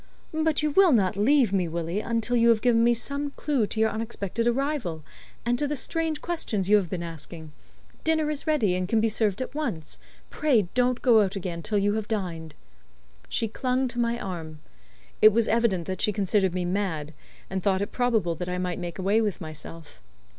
"But you will not leave me, Willie, until you have given me some clue to your unexpected arrival, and to the strange questions you have been asking? Dinner is ready, and can be served at once. Pray don't go out again till you have dined." She clung to my arm. It was evident that she considered me mad, and thought it probable that I might make away with myself.